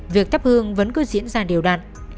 việc thắp hương vẫn cứ diễn ra điều đạn